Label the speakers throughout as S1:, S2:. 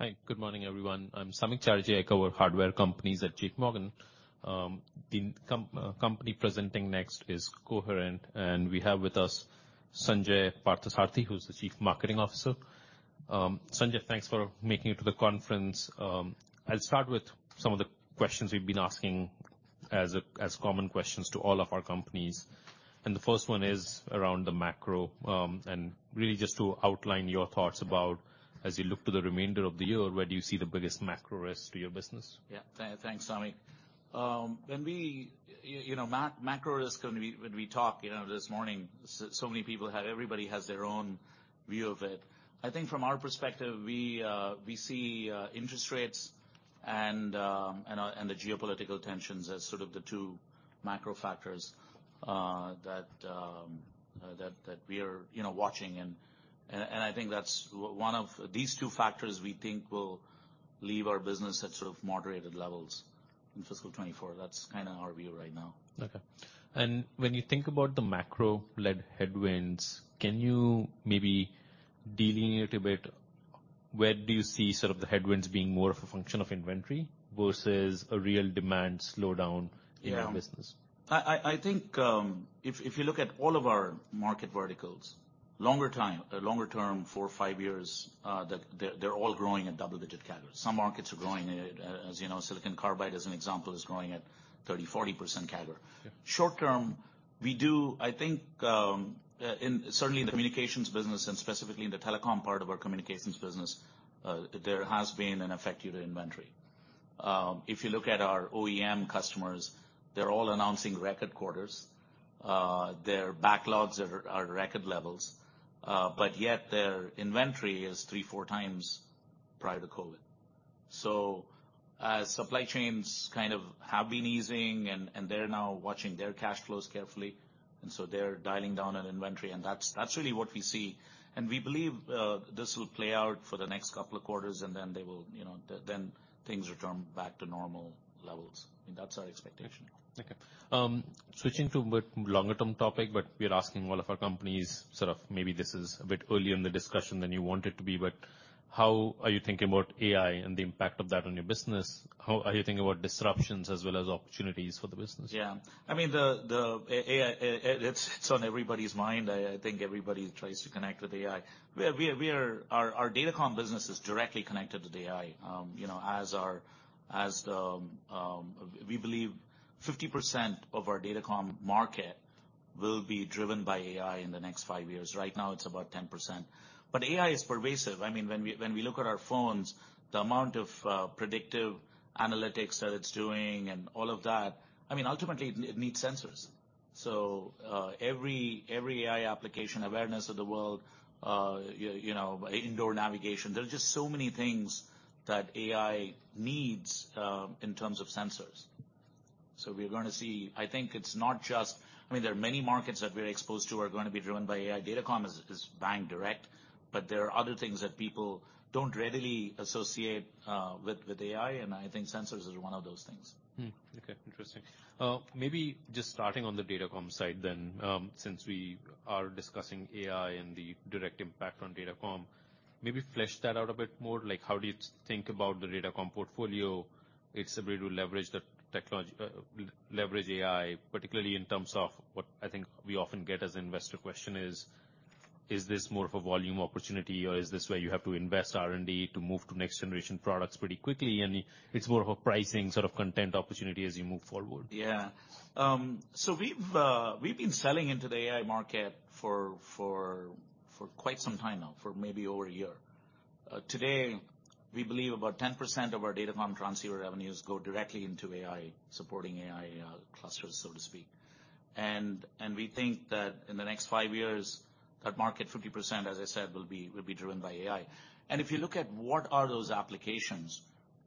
S1: Hi, good morning, everyone. I'm Samik Chatterjee. I cover hardware companies at JPMorgan. The company presenting next is Coherent, and we have with us Sanjai Parthasarathi, who's the Chief Marketing Officer. Sanjay, thanks for making it to the conference. I'll start with some of the questions we've been asking as common questions to all of our companies. The first one is around the macro, and really just to outline your thoughts about as you look to the remainder of the year, where do you see the biggest macro risk to your business?
S2: Yeah. Thanks, Samik. When we, you know, macro risk, when we talk, you know, this morning, so many people have everybody has their own view of it. I think from our perspective, we see interest rates and the geopolitical tensions as sort of the two macro factors that we are, you know, watching. I think that's one of these two factors we think will leave our business at sort of moderated levels in fiscal 2024. That's kinda our view right now.
S1: Okay. When you think about the macro-led headwinds, can you maybe delineate a bit where do you see sort of the headwinds being more of a function of inventory versus a real demand slowdown in your business?
S2: Yeah. I think, if you look at all of our market verticals, longer time, longer term, four to five years, that they're all growing at double-digit CAGRs. Some markets are growing, as you know, silicon carbide as an example, is growing at 30%-40% CAGR.
S1: Yeah.
S2: Short term, we do, I think, in certainly in the communications business and specifically in the telecom part of our communications business, there has been an effect due to inventory. If you look at our OEM customers, they're all announcing record quarters. Their backlogs are record levels, but yet their inventory is three, four times prior to COVID. As supply chains kind of have been easing and they're now watching their cash flows carefully, they're dialing down on inventory. That's really what we see. We believe, this will play out for the next couple of quarters and then they will, you know, then things return back to normal levels. That's our expectation.
S1: Switching to a bit longer-term topic, but we're asking all of our companies, sort of maybe this is a bit earlier in the discussion than you want it to be, but how are you thinking about AI and the impact of that on your business? How are you thinking about disruptions as well as opportunities for the business?
S2: I mean, the AI, it's on everybody's mind. I think everybody tries to connect with AI. Our datacom business is directly connected to the AI, you know, as the, we believe 50% of our datacom market will be driven by AI in the next five years. Right now it's about 10%. AI is pervasive. I mean, when we look at our phones, the amount of predictive analytics that it's doing and all of that, I mean, ultimately it needs sensors. Every AI application, awareness of the world, you know, indoor navigation, there are just so many things that AI needs in terms of sensors. I think it's not just, I mean, there are many markets that we're exposed to are gonna be driven by AI. Datacom is bang direct. There are other things that people don't readily associate with AI, and I think sensors is one of those things.
S1: Okay. Interesting. Maybe just starting on the datacom side then, since we are discussing AI and the direct impact on datacom, maybe flesh that out a bit more. Like, how do you think about the datacom portfolio? It's able to leverage the technology, leverage AI, particularly in terms of what I think we often get as an investor question is this more of a volume opportunity, or is this where you have to invest R&D to move to next-generation products pretty quickly, and it's more of a pricing sort of content opportunity as you move forward?
S2: Yeah. We've been selling into the AI market for quite some time now, for maybe over a year. Today, we believe about 10% of our datacom transceiver revenues go directly into AI, supporting AI clusters, so to speak. We think that in the next five years, that market, 50%, as I said, will be driven by AI. If you look at what are those applications,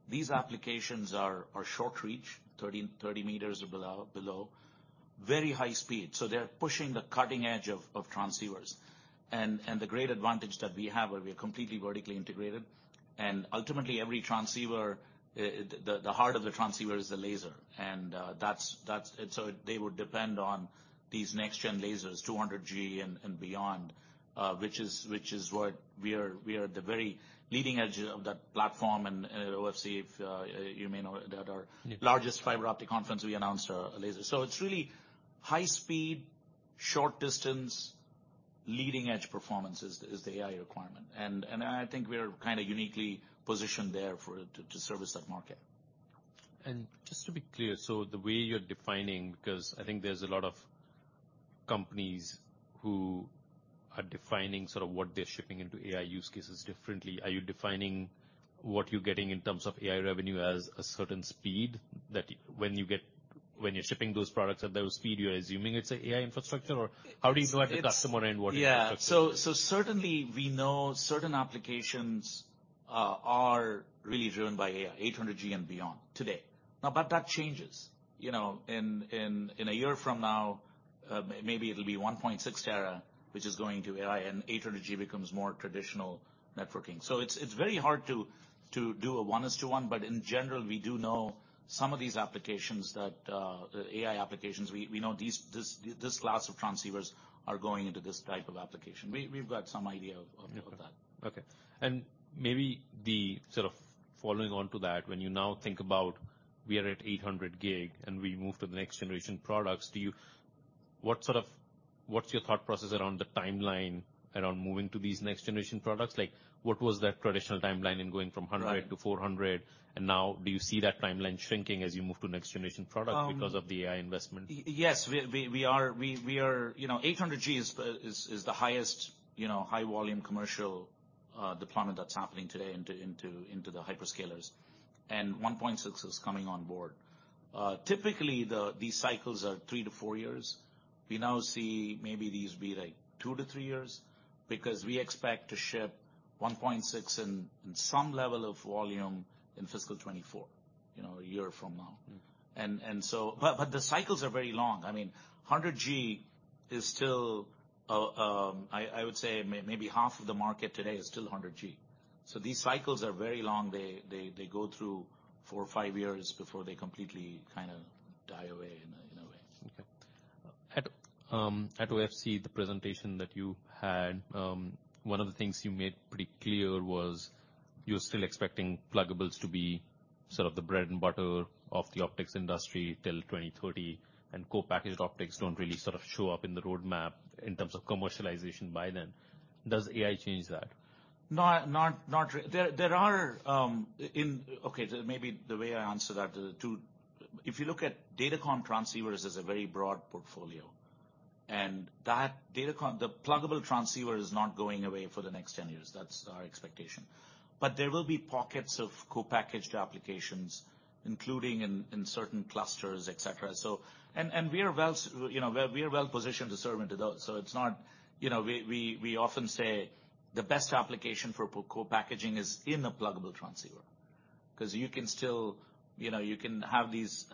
S2: these applications are short reach, 30 meters below. Very high speed. They're pushing the cutting edge of transceivers. The great advantage that we have are we are completely vertically integrated, and ultimately every transceiver, the heart of the transceiver is the laser. They would depend on these next gen lasers, 200G and beyond, which is what we are at the very leading edge of that platform. At OFC, if you may know that our largest fiber optic conference, we announced our laser. It's really high speed, short distance, leading-edge performance is the AI requirement. I think we're kinda uniquely positioned there for it to service that market.
S1: Just to be clear, the way you're defining, 'cause I think there's a lot of companies who are defining sort of what they're shipping into AI use cases differently. Are you defining what you're getting in terms of AI revenue as a certain speed that when you're shipping those products at those speed, you're assuming it's AI infrastructure? Or how do you know at the customer end what it is?
S2: Yeah. Certainly we know certain applications are really driven by AI, 800G and beyond today. Now, that changes. You know, in a year from now, maybe it'll be 1.6T which is going to AI and 800G becomes more traditional networking. It's very hard to do a one is to one, in general, we do know some of these applications that AI applications, we know this class of transceivers are going into this type of application. We've got some idea of that.
S1: Okay. Maybe the sort of following on to that, when you now think about we are at 800G and we move to the next-generation products, do you What's your thought process around the timeline around moving to these next-generation products? Like, what was that traditional timeline in going from 100G to 400G? Now do you see that timeline shrinking as you move to next-generation products because of the AI investment?
S2: Yes. We are, you know, 800G is the highest, you know, high volume commercial deployment that's happening today into the hyperscalers. 1.6T is coming on board. Typically, these cycles are three to four years. We now see maybe these be like two to three years because we expect to ship 1.6T in some level of volume in fiscal 2024. You know, a year from now.
S1: Mm-hmm.
S2: The cycles are very long. I mean, I would say maybe half of the market today is still 100G. These cycles are very long. They go through four or five years before they completely kind of die away in a, in a way.
S1: At OFC, the presentation that you had, one of the things you made pretty clear was you're still expecting pluggables to be sort of the bread and butter of the optics industry till 2030, and co-packaged optics don't really sort of show up in the roadmap in terms of commercialization by then. Does AI change that?
S2: Not really. There are. Maybe the way I answer that, the two. If you look at datacom transceivers as a very broad portfolio, and that datacom, the pluggable transceiver is not going away for the next 10 years. That's our expectation. There will be pockets of co-packaged applications, including in certain clusters, et cetera. And we are well, you know, we are well-positioned to serve into those, so it's not, you know. We often say the best application for co-packaging is in a pluggable transceiver 'cause you can still, you know, you can have these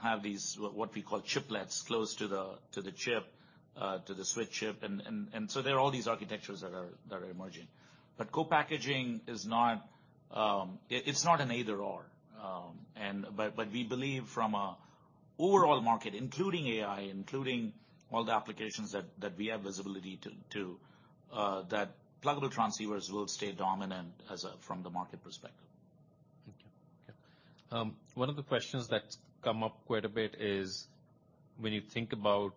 S2: what we call chiplets close to the chip, to the switch chip and so there are all these architectures that are emerging. Co-packaging is not, it's not an either/or. We believe from a overall market, including AI, including all the applications that we have visibility to, that pluggable transceivers will stay dominant as a, from the market perspective.
S1: Thank you. Okay. One of the questions that's come up quite a bit is when you think about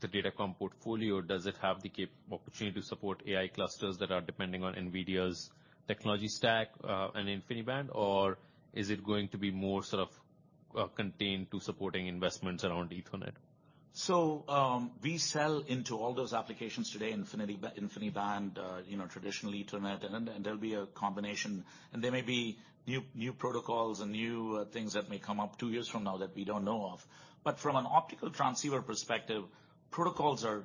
S1: the datacom portfolio, does it have the opportunity to support AI clusters that are depending on NVIDIA's technology stack and InfiniBand? Is it going to be more sort of contained to supporting investments around Ethernet?
S2: We sell into all those applications today, InfiniBand, you know, traditional Ethernet, and there'll be a combination, and there may be new protocols and new things that may come up two years from now that we don't know of. From an optical transceiver perspective, protocols are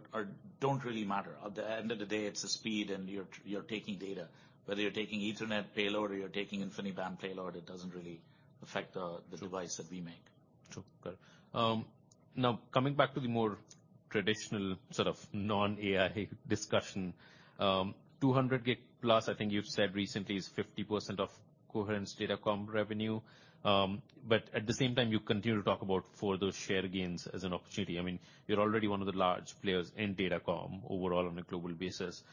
S2: don't really matter. At the end of the day, it's the speed and you're taking data. Whether you're taking Ethernet payload or you're taking InfiniBand payload, it doesn't really affect the device that we make.
S1: Sure. Okay. Now coming back to the more traditional sort of non-AI discussion. 200G+, I think you've said recently, is 50% of Coherent's datacom revenue. At the same time, you continue to talk about further share gains as an opportunity. I mean, you're already one of the large players in datacom overall on a global basis.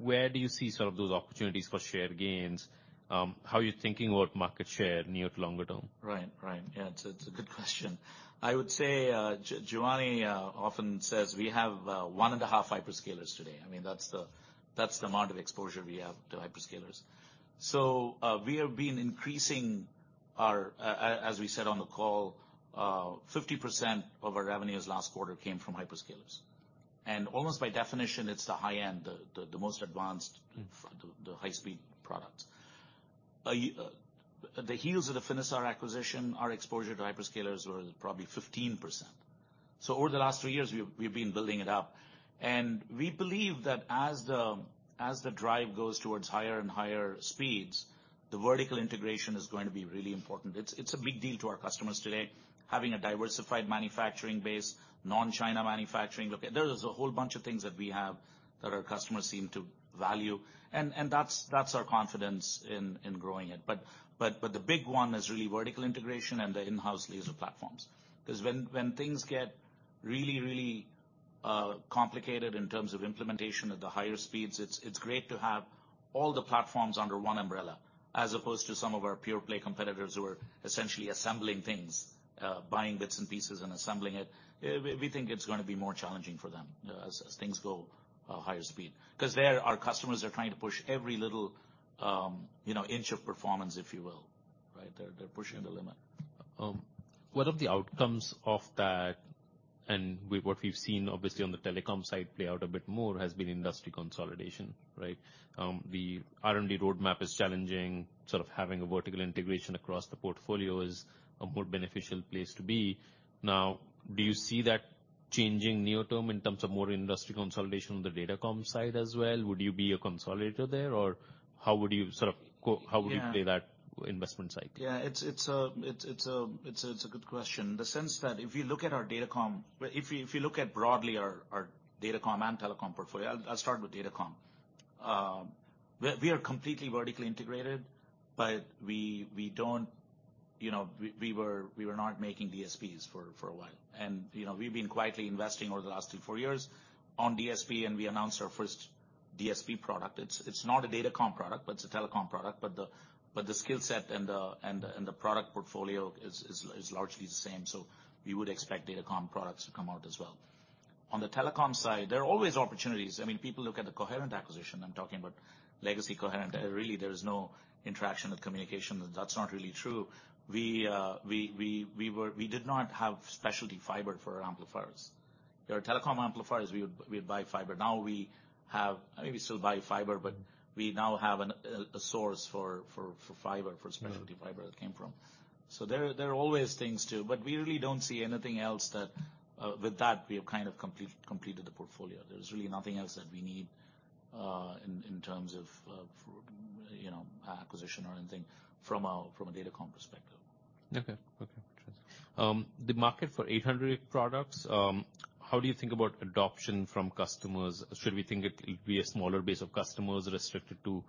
S1: Where do you see some of those opportunities for share gains? How are you thinking about market share near to longer term?
S2: Right. Right. Yeah, it's a good question. I would say Giovanni often says we have one and a half hyperscalers today. I mean, that's the amount of exposure we have to hyperscalers. We have been increasing. As we said on the call, 50% of our revenues last quarter came from hyperscalers. Almost by definition, it's the high end, the most advanced-
S1: Mm-hmm.
S2: The high-speed products. At the heels of the Finisar acquisition, our exposure to hyperscalers was probably 15%. Over the last three years, we've been building it up. We believe that as the drive goes towards higher and higher speeds, the vertical integration is going to be really important. It's a big deal to our customers today, having a diversified manufacturing base, non-China manufacturing. Look, there is a whole bunch of things that we have that our customers seem to value. That's our confidence in growing it. The big one is really vertical integration and the in-house laser platforms 'cause when things get really complicated in terms of implementation at the higher speeds, it's great to have all the platforms under one umbrella, as opposed to some of our pure play competitors who are essentially assembling things, buying bits and pieces and assembling it. We think it's gonna be more challenging for them as things go higher speed. Cause our customers are trying to push every little, you know, inch of performance, if you will, right? They're pushing the limit.
S1: One of the outcomes of that, with what we've seen obviously on the telecom side play out a bit more, has been industry consolidation, right? The R&D roadmap is challenging. Sort of having a vertical integration across the portfolio is a more beneficial place to be. Do you see that changing near-term in terms of more industry consolidation on the datacom side as well? Would you be a consolidator there, or how would you sort of?
S2: Yeah.
S1: How would you play that out? Investment side?
S2: Yeah, it's a good question. The sense that if you look at broadly our datacom and telecom portfolio, I'll start with datacom. We are completely vertically integrated, but we don't, you know, we were not making DSPs for a while. You know, we've been quietly investing over the last three, four years on DSP, and we announced our first DSP product. It's not a datacom product, but it's a telecom product. The skill set and the product portfolio is largely the same. We would expect datacom products to come out as well. On the telecom side, there are always opportunities. I mean, people look at the Coherent acquisition. I'm talking about legacy coherent.
S1: Yeah.
S2: Really, there is no interaction with communication. That's not really true. We did not have specialty fiber for our amplifiers. There are telecom amplifiers, we'd buy fiber. Now we have. I mean, we still buy fiber, but we now have a source for fiber, for specialty fiber.
S1: Mm-hmm.
S2: That came from. There are always things to. We really don't see anything else that, with that, we have kind of completed the portfolio. There's really nothing else that we need, in terms of, you know, acquisition or anything from a datacom perspective.
S1: Okay. Okay. The market for 800 products, how do you think about adoption from customers? Should we think it'll be a smaller base of customers restricted to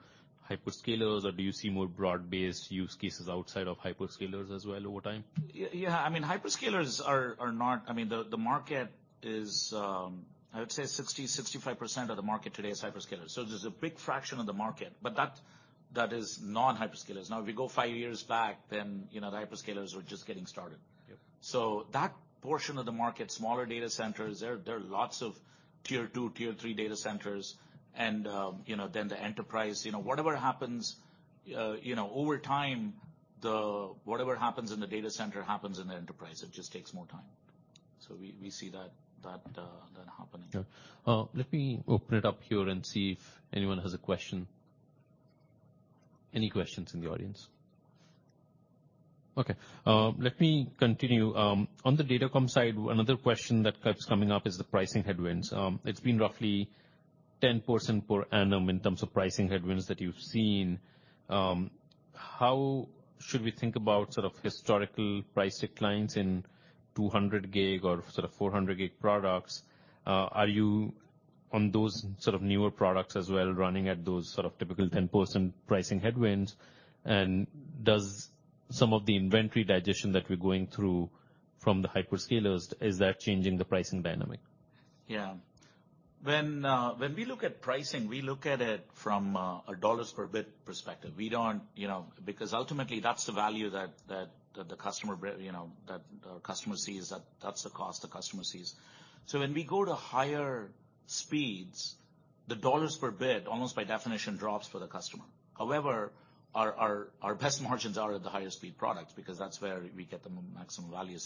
S1: hyperscalers, or do you see more broad-based use cases outside of hyperscalers as well over time?
S2: Yeah, I mean, the market is, I would say 60%, 65% of the market today is hyperscalers. There's a big fraction of the market, but that is non-hyperscalers. Now if we go five years back then, you know, the hyperscalers were just getting started.
S1: Yep.
S2: That portion of the market, smaller data centers, there are lots of tier two, tier three data centers and, you know, then the enterprise. You know, whatever happens, you know, over time, the whatever happens in the data center happens in the enterprise. It just takes more time. We see that happening.
S1: Okay. Let me open it up here and see if anyone has a question. Any questions in the audience? Okay, let me continue. On the datacom side, another question that keeps coming up is the pricing headwinds. It's been roughly 10% per annum in terms of pricing headwinds that you've seen. How should we think about sort of historical price declines in 200G or sort of 400G products? Are you on those sort of newer products as well, running at those sort of typical 10% pricing headwinds? Does some of the inventory digestion that we're going through from the hyperscalers, is that changing the pricing dynamic?
S2: Yeah. When we look at pricing, we look at it from a dollars per bit perspective. We don't, you know. Ultimately, that's the value that the customer, you know, that our customer sees. That's the cost the customer sees. When we go to higher speeds, the dollars per bit, almost by definition, drops for the customer. However, our best margins are at the higher speed products because that's where we get the maximum value.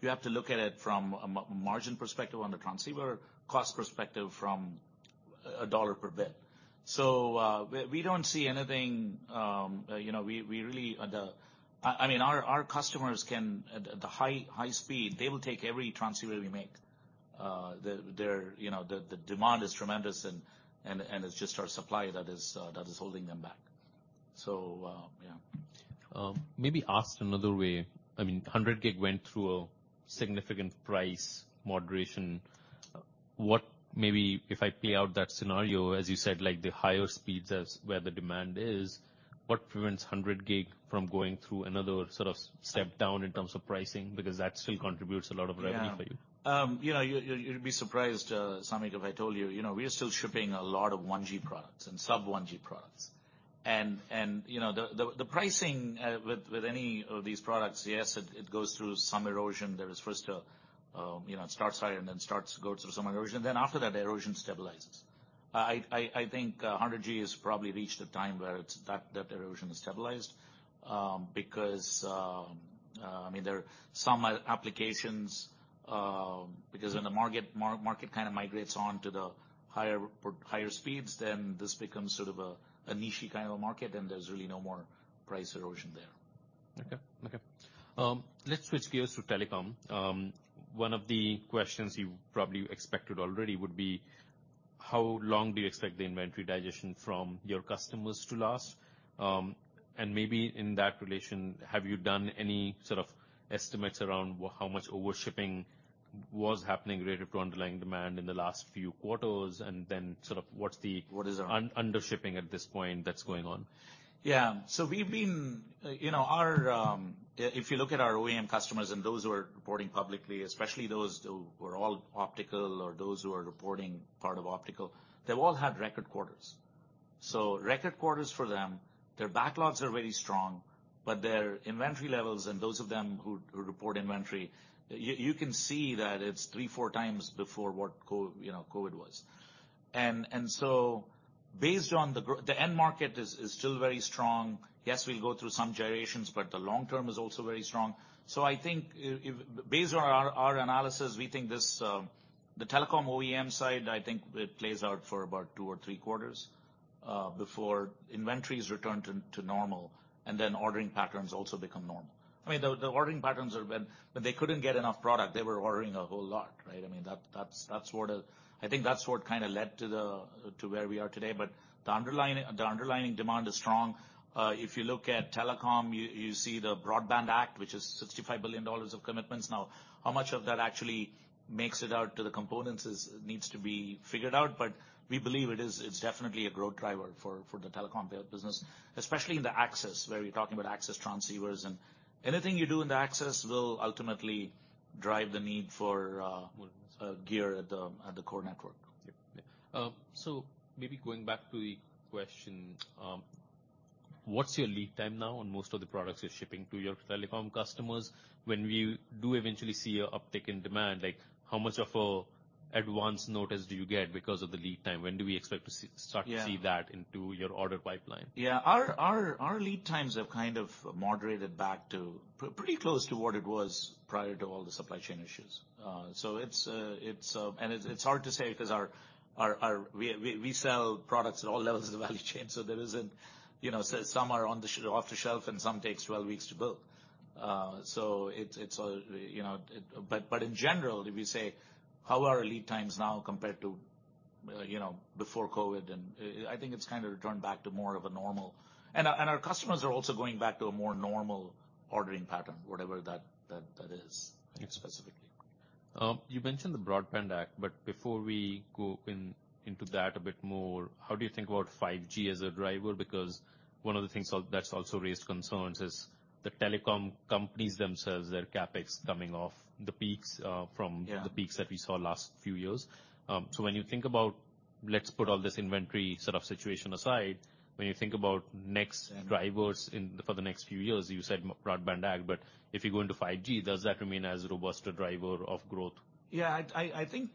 S2: You have to look at it from a margin perspective on the transceiver, cost perspective from a dollars per bit. We don't see anything, you know, we really. The. I mean, our customers can, at the high speed, they will take every transceiver we make. Their, you know, the demand is tremendous and it's just our supply that is holding them back. Yeah.
S1: Maybe asked another way. I mean, hundred gig went through a significant price moderation. What maybe if I play out that scenario, as you said, like the higher speeds, that's where the demand is, what prevents hundred gig from going through another sort of step down in terms of pricing? Because that still contributes a lot of revenue for you.
S2: Yeah. you know, you'd be surprised, Samik, if I told you know, we are still shipping a lot of 1G products and sub-1G products. You know, the pricing, with any of these products, yes, it goes through some erosion. There is first a, you know, it starts high and then starts to go through some erosion. After that, the erosion stabilizes. I think, 100G has probably reached a time where it's, that erosion has stabilized, because, I mean, there are some applications, because when the market kind of migrates on to the higher speeds, then this becomes sort of a niche-y kind of a market, and there's really no more price erosion there.
S1: Okay. Okay. Let's switch gears to telecom. One of the questions you probably expected already would be, how long do you expect the inventory digestion from your customers to last? Maybe in that relation, have you done any sort of estimates around how much overshipping was happening related to underlying demand in the last few quarters? Sort of what's the- undershipping at this point that's going on?
S2: We've been, you know, our, if you look at our OEM customers and those who are reporting publicly, especially those who are all optical or those who are reporting part of optical, they've all had record quarters. Record quarters for them. Their backlogs are very strong, but their inventory levels and those of them who report inventory, you can see that it's three, four times before what you know, COVID was. Based on the end market is still very strong. Yes, we'll go through some gyrations, but the long term is also very strong. I think if based on our analysis, we think this. The telecom OEM side, I think it plays out for about two or three quarters before inventories return to normal, then ordering patterns also become normal. I mean, the ordering patterns are when they couldn't get enough product, they were ordering a whole lot, right? I mean, that's sort of... I think that's what kinda led to where we are today. The underlying demand is strong. If you look at telecom, you see the Broadband Act, which is $65 billion of commitments. Now, how much of that actually makes it out to the components needs to be figured out, but we believe it is, it's definitely a growth driver for the telecom business, especially in the access, where you're talking about access transceivers and anything you do in the access will ultimately drive the need for.
S1: What's-
S2: gear at the core network.
S1: Yeah. Yeah. Maybe going back to the question, what's your lead time now on most of the products you're shipping to your telecom customers? When we do eventually see an uptick in demand, like how much of a advance notice do you get because of the lead time?
S2: Yeah.
S1: Start to see that into your order pipeline?
S2: Yeah. Our lead times have kind of moderated back to pretty close to what it was prior to all the supply chain issues. So it's hard to say 'cause our We sell products at all levels of the value chain, so there isn't, you know, so some are off the shelf, and some takes 12 weeks to build. So it's all, you know. In general, if you say how are our lead times now compared to, you know, before COVID, I think it's kind of returned back to more of a normal. Our customers are also going back to a more normal ordering pattern, whatever that is specifically.
S1: You mentioned the Broadband Act, before we go into that a bit more, how do you think about 5G as a driver? One of the things that's also raised concerns is the telecom companies themselves, their CapEx coming off the peaks.
S2: Yeah.
S1: the peaks that we saw last few years. When you think about, let's put all this inventory sort of situation aside, when you think about next drivers.
S2: Yeah.
S1: For the next few years, you said Broadband Act. If you go into 5G, does that remain as robust a driver of growth?
S2: Yeah. I think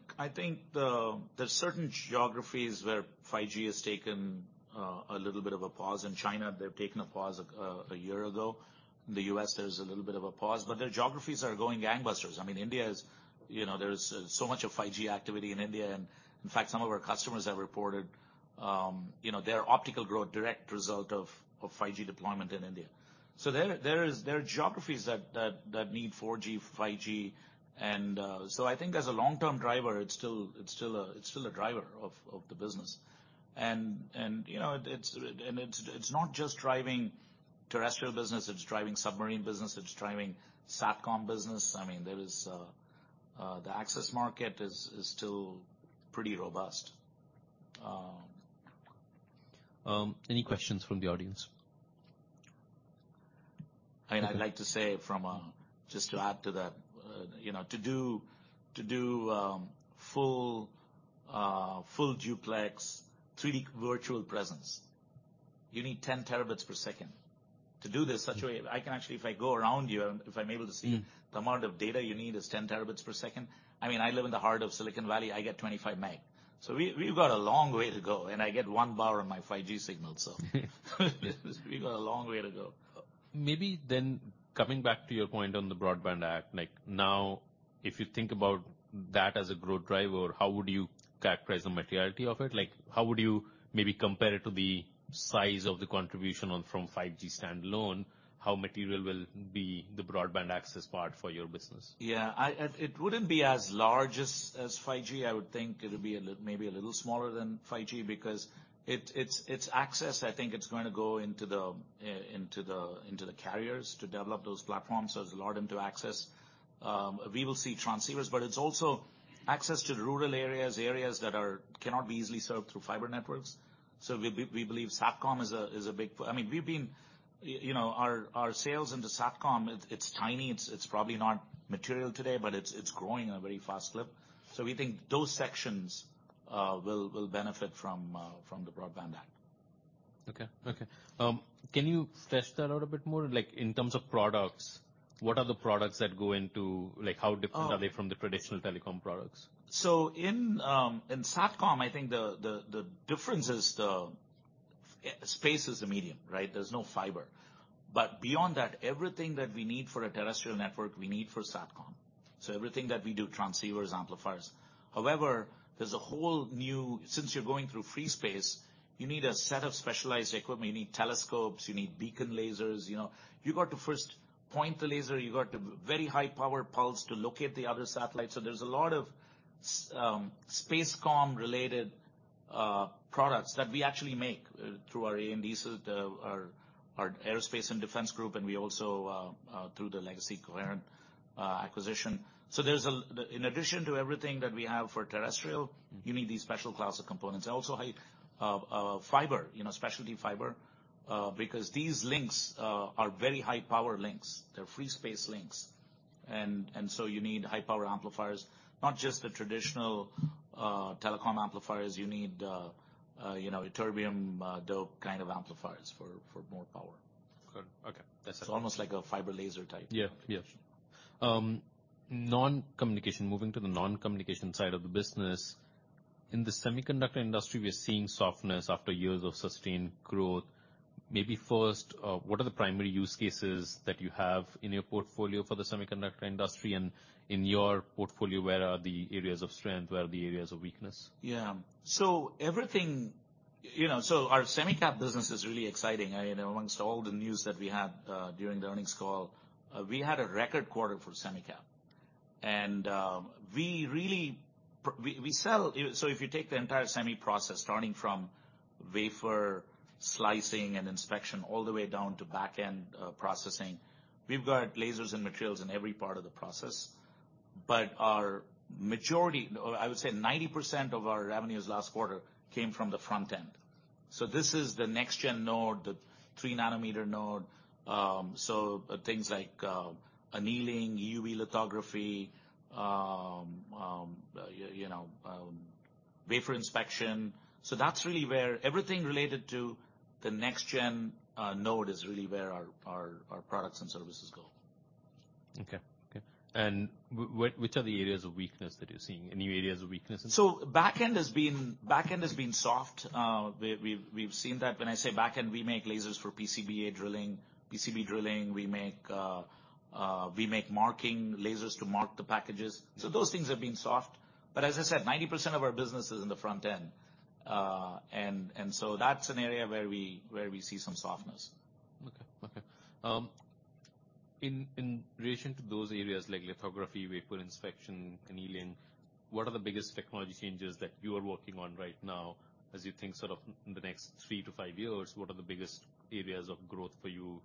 S2: the, there's certain geographies where 5G has taken a little bit of a pause. In China, they've taken a pause a year ago. In the U.S., there's a little bit of a pause, their geographies are going gangbusters. I mean, India is, you know, there's so much of 5G activity in India, in fact, some of our customers have reported, you know, their optical growth, direct result of 5G deployment in India. There are geographies that need 4G, 5G, I think as a long-term driver, it's still a driver of the business. You know, it's not just driving terrestrial business, it's driving submarine business, it's driving SatCom business. I mean, there is, the access market is still pretty robust.
S1: Any questions from the audience?
S2: I'd like to say, just to add to that, you know, to do full duplex 3D virtual presence, you need 10 terabits per second. To do this such a way.
S1: Yeah.
S2: I can actually, if I go around you and if I'm able to see-
S1: Mm-hmm.
S2: the amount of data you need is 10 terabits per second. I mean, I live in the heart of Silicon Valley, I get 25 meg. We've got a long way to go, and I get one bar on my 5G signal so. We've got a long way to go.
S1: Maybe coming back to your point on the Broadband Act, like now if you think about that as a growth driver, how would you characterize the materiality of it? Like, how would you maybe compare it to the size of the contribution on from 5G standalone, how material will be the broadband access part for your business?
S2: Yeah. It wouldn't be as large as 5G. I would think it'll be maybe a little smaller than 5G because it's access, I think it's going to go into the carriers to develop those platforms so as to allow them to access. We will see transceivers, but it's also access to rural areas that cannot be easily served through fiber networks. We believe SatCom is a big. I mean, we've been, you know, our sales into SatCom, it's tiny, it's probably not material today, but it's growing at a very fast clip. We think those sections will benefit from the Broadband Act.
S1: Okay. Okay. Can you flesh that out a bit more? Like, in terms of products, how different are they from the traditional telecom products?
S2: In SATCOM, I think the difference is the space is the medium, right? There's no fiber. Beyond that, everything that we need for a terrestrial network, we need for SATCOM. Everything that we do, transceivers, amplifiers. However, there's a whole new, since you're going through free space, you need a set of specialized equipment. You need telescopes, you need beacon lasers. You know, you've got to first point the laser, you've got to very high power pulse to locate the other satellite. There's a lot of space comm related products that we actually make through our A&Ds, our aerospace and defense group, and we also through the legacy Coherent acquisition. In addition to everything that we have for terrestrial-
S1: Mm-hmm.
S2: you need these special class of components. Also high fiber, you know, specialty fiber, because these links are very high power links. They're free space links. You need high power amplifiers. Not just the traditional telecom amplifiers. You need, you know, ytterbium-doped kind of amplifiers for more power.
S1: Good. Okay.
S2: It's almost like a fiber laser type.
S1: Yeah. Yeah. non-communication. Moving to the non-communication side of the business. In the semiconductor industry, we're seeing softness after years of sustained growth. Maybe first, what are the primary use cases that you have in your portfolio for the semiconductor industry? In your portfolio, where are the areas of strength, where are the areas of weakness?
S2: Yeah. Everything, you know... Our semi cap business is really exciting. You know, amongst all the news that we had during the earnings call, we had a record quarter for semi cap. We really sell. If you take the entire semi process, starting from wafer slicing and inspection all the way down to back-end processing, we've got lasers and materials in every part of the process. Our majority, or I would say 90% of our revenues last quarter came from the front end. This is the next-gen node, the three nm node. Things like annealing, EUV lithography, you know, wafer inspection. That's really where everything related to the next-gen node is really where our products and services go.
S1: Okay. Okay. Which are the areas of weakness that you're seeing? Any areas of weakness in?
S2: Back-end has been soft. We've seen that. When I say back-end, we make lasers for PCBA drilling, PCB drilling. We make marking lasers to mark the packages. Those things have been soft. As I said, 90% of our business is in the front end. That's an area where we see some softness.
S1: Okay. Okay. In relation to those areas like lithography, wafer inspection, annealing, what are the biggest technology changes that you are working on right now as you think sort of in the next three to five years, what are the biggest areas of growth for you?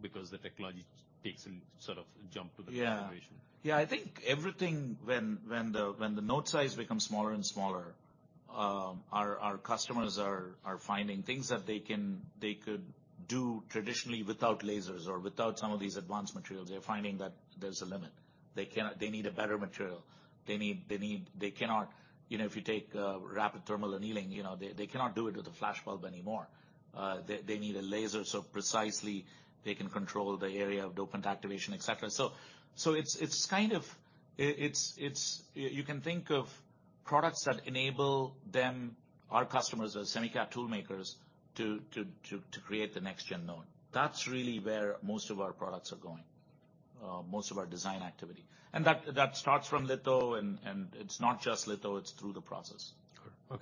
S1: Because the technology takes a sort of jump to the next generation.
S2: Yeah. Yeah, I think everything when the, when the node size becomes smaller and smaller, our customers are finding things that they could do traditionally without lasers or without some of these advanced materials, they're finding that there's a limit. They need a better material. They need, they cannot... You know, if you take rapid thermal annealing, you know, they cannot do it with a flash bulb anymore. They, they need a laser, so precisely they can control the area of dopant activation, et cetera. It's... You can think of products that enable them, our customers or semi cap toolmakers, to create the next gen node. That's really where most of our products are going, most of our design activity. That starts from litho, and it's not just litho, it's through the process.
S1: Sure.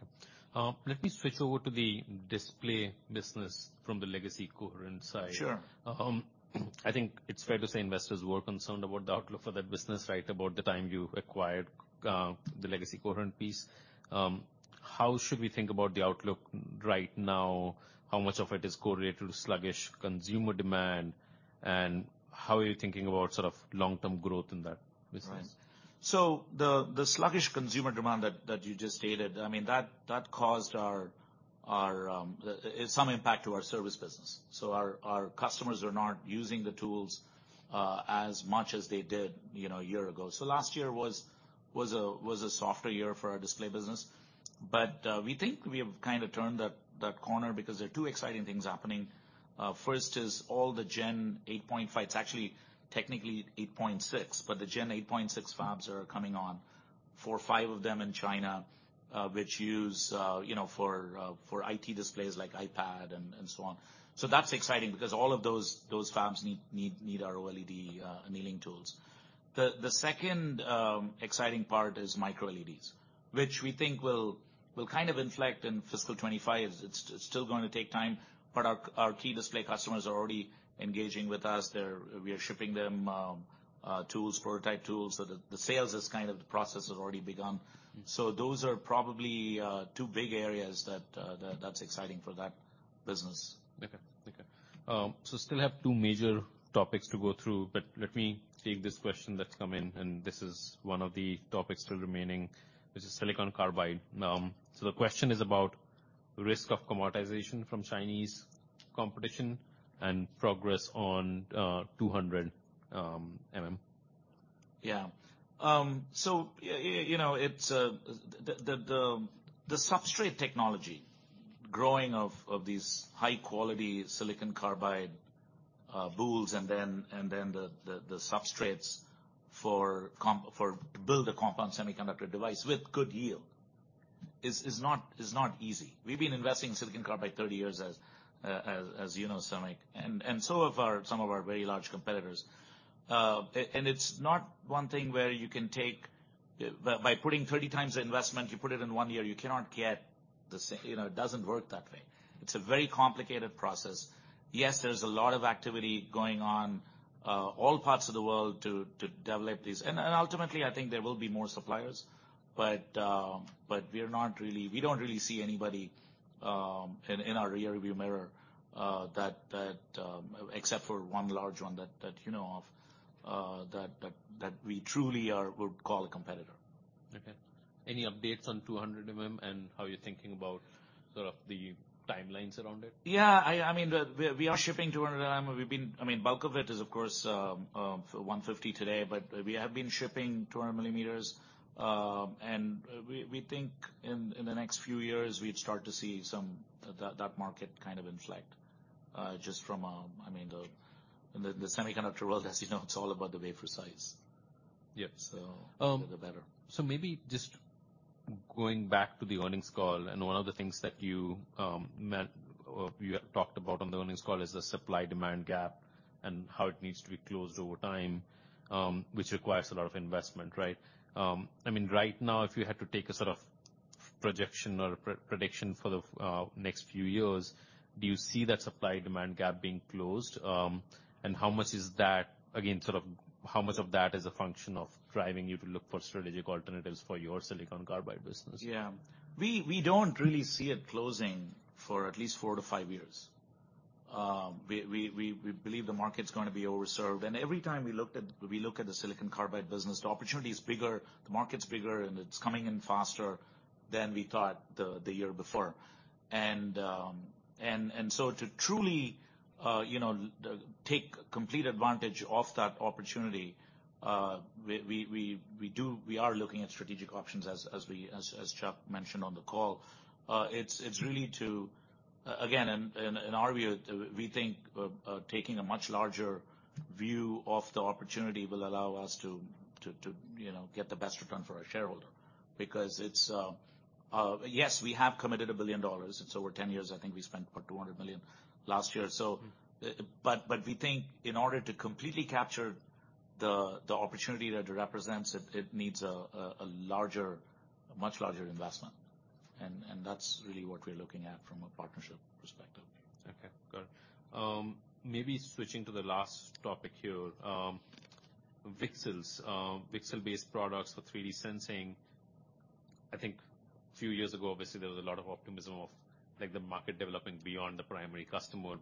S1: Okay. Let me switch over to the display business from the legacy coherent side.
S2: Sure.
S1: I think it's fair to say investors were concerned about the outlook for that business right about the time you acquired the legacy coherent piece. How should we think about the outlook right now? How much of it is correlated to sluggish consumer demand? How are you thinking about sort of long-term growth in that business?
S2: Right. The sluggish consumer demand that you just stated, I mean, that caused some impact to our service business. Our customers are not using the tools, as much as they did, you know, a year ago. Last year was a softer year for our display business. We think we have kinda turned that corner because there are two exciting things happening. First is all the Gen 8.6 fabs are coming on, four or five of them in China, which use, you know, for IT displays like iPad and so on. That's exciting because all of those fabs need our OLED annealing tools. The second exciting part is microLEDs, which we think will kind of inflect in fiscal 25. It's still gonna take time, but our key display customers are already engaging with us. We are shipping them tools, prototype tools. The sales is kind of the process has already begun. Those are probably two big areas that's exciting for that business.
S1: Okay. Okay. Still have two major topics to go through, but let me take this question that's come in, and this is one of the topics still remaining, which is silicon carbide. The question is about risk of commoditization from Chinese competition and progress on 200 mm.
S2: Yeah. You know, the substrate technology growing of these high-quality silicon carbide boules and then the substrates to build a compound semiconductor device with good yield is not easy. We've been investing in silicon carbide 30 years as you know, Samik, so have some of our very large competitors. It's not 1 thing where you can take... By putting 30 times the investment, you put it in one year, you cannot get you know, it doesn't work that way. It's a very complicated process. Yes, there's a lot of activity going on all parts of the world to develop these. Ultimately, I think there will be more suppliers. We don't really see anybody in our rear view mirror that except for one large one that you know of, that we truly would call a competitor.
S1: Okay. Any updates on 200 mm and how you're thinking about sort of the timelines around it?
S2: I mean, we are shipping 200 mm. I mean, bulk of it is, of course, 150 today, but we have been shipping 200 millimeters. We think in the next few years we'd start to see some that market kind of inflect. Just from, I mean the semiconductor world, as you know, it's all about the wafer size.
S1: Yep.
S2: The better.
S1: Maybe just going back to the earnings call, and one of the things that you meant or you had talked about on the earnings call is the supply-demand gap and how it needs to be closed over time, which requires a lot of investment, right? I mean, right now, if you had to take a sort of projection or pre-prediction for the next few years, do you see that supply-demand gap being closed? How much is that again, sort of how much of that is a function of driving you to look for strategic alternatives for your silicon carbide business?
S2: Yeah. We don't really see it closing for at least four to five years. We believe the market's gonna be overserved. Every time we look at the silicon carbide business, the opportunity is bigger, the market's bigger, and it's coming in faster than we thought the year before. To truly, you know, take complete advantage of that opportunity, we are looking at strategic options as Chuck mentioned on the call. It's really to again, in our view, we think taking a much larger view of the opportunity will allow us to, you know, get the best return for our shareholder because it's. Yes, we have committed $1 billion. It's over 10 years, I think we spent about $200 million last year.
S1: Mm-hmm.
S2: We think in order to completely capture the opportunity that it represents, it needs a larger, much larger investment. That's really what we're looking at from a partnership perspective.
S1: Okay. Got it. maybe switching to the last topic here. VCSELs. VCSEL-based products for 3D sensing. I think few years ago, obviously, there was a lot of optimism of like the market developing beyond the primary customer.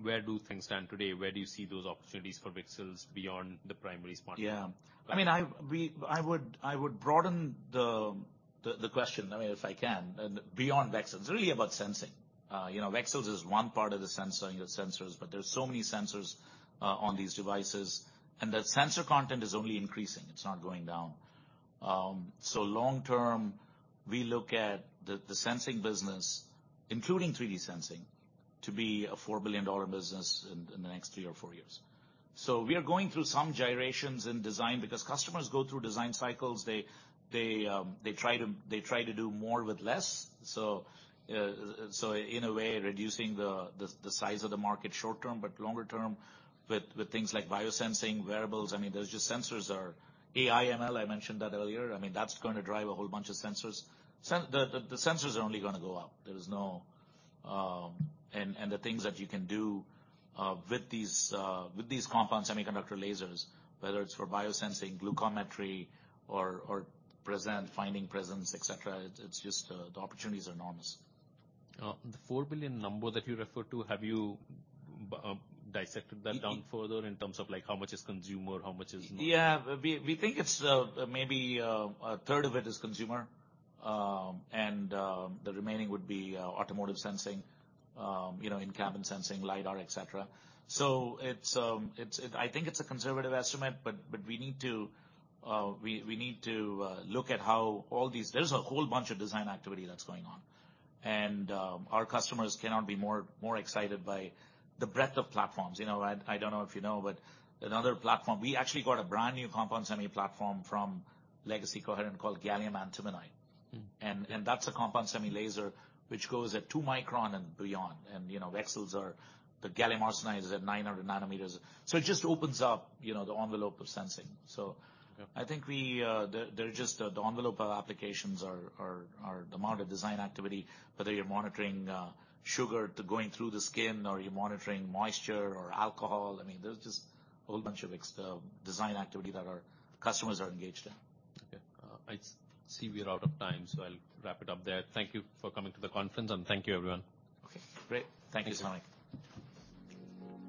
S1: Where do things stand today? Where do you see those opportunities for VCSELs beyond the primary spot?
S2: I mean, I would, I would broaden the question, I mean, if I can. Beyond VCSELs, really about sensing. You know, VCSELs is one part of the sensing of sensors, but there's so many sensors on these devices, and that sensor content is only increasing. It's not going down. Long term, we look at the sensing business, including 3D sensing, to be a $4 billion business in the next three or four years. We are going through some gyrations in design because customers go through design cycles. They try to do more with less. In a way, reducing the size of the market short term, but longer term with things like biosensing variables. I mean, those just sensors are AI, ML, I mentioned that earlier. I mean, that's gonna drive a whole bunch of sensors. The sensors are only gonna go up. There's no. The things that you can do with these compound semiconductor lasers, whether it's for biosensing, glucometry or present, finding presence, et cetera, it's just, the opportunities are enormous.
S1: The $4 billion number that you referred to, have you dissected that down further in terms of like how much is consumer, how much is not?
S2: Yeah. We think it's maybe a third of it is consumer. The remaining would be automotive sensing, you know, in-cabin sensing, lidar, et cetera. I think it's a conservative estimate, but we need to look at how all these... There's a whole bunch of design activity that's going on. Our customers cannot be more excited by the breadth of platforms. You know, I don't know if you know, but another platform, we actually got a brand new compound semi platform from legacy Coherent called gallium antimonide.
S1: Mm-hmm.
S2: That's a compound semi laser which goes at two micron and beyond. You know, VCSELs are the gallium arsenide is at 900 nanometers. It just opens up, you know, the envelope of sensing.
S1: Yeah.
S2: I think we, there are just, the envelope of applications are the amount of design activity, whether you're monitoring sugar to going through the skin or you're monitoring moisture or alcohol, I mean, there's just a whole bunch of design activity that our customers are engaged in.
S1: Okay. I see we're out of time, I'll wrap it up there. Thank you for coming to the conference. Thank you, everyone.
S2: Okay, great. Thank you.
S1: Thanks a lot.